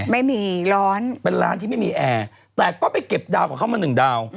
ไม่มีร้อนเป็นร้านที่ไม่มีแอร์แต่ก็ไปเก็บดาวกับเขามาหนึ่งดาว